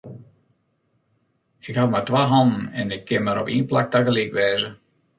Ik haw mar twa hannen en ik kin mar op ien plak tagelyk wêze.